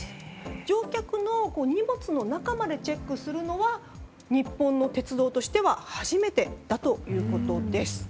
乗客の荷物の中までチェックするのは日本の鉄道としては初めてだということです。